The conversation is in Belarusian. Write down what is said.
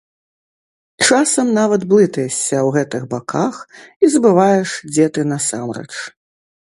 Часам нават блытаешся ў гэтых баках і забываеш, дзе ты насамрэч.